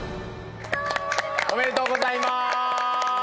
おー！おめでとうございまーす！